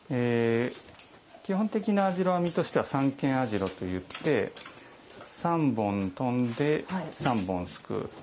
基本的な網代編みとしては三間網代といって３本飛んで３本すくう。